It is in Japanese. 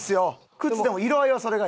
靴でも色合いはそれがいい。